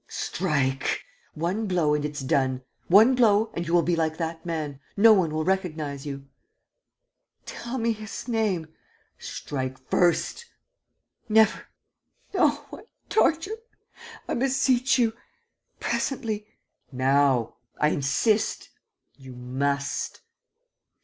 "Strike! One blow and it's done! One blow and you will be like that man: no one will recognize you." "Tell me his name. ..." "Strike first!" "Never! Oh, what torture! ... I beseech you ... presently. ..." "Now. ... I insist ... you must